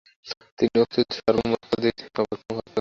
এই অস্তিত্ব স্বর্গ-মর্ত্যাদি অপেক্ষা মহত্তর।